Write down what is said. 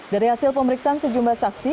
dari hasil pemeriksaan sejumlah saksi